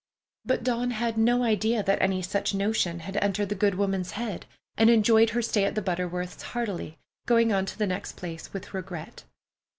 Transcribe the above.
But Dawn had no idea that any such notion had entered the good woman's head, and enjoyed her stay at the Butterworths' heartily, going on to the next place with regret.